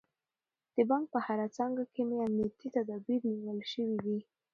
د بانک په هره څانګه کې امنیتي تدابیر نیول شوي دي.